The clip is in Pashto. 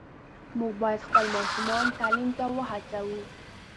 موږ باید خپل ماشومان تعلیم ته وهڅوو.